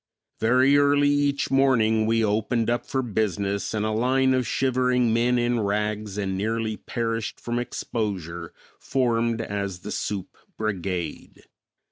Very early each morning we opened up for business and a line of shivering men in rags and nearly perished from exposure formed as the soup brigade.